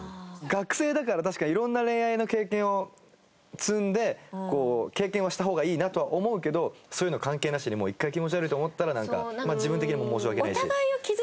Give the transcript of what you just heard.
学生だから確かにいろんな恋愛の経験を積んで経験はした方がいいなとは思うけどそういうのは関係なしに１回気持ち悪いと思ったらなんか自分的にも申し訳ないし。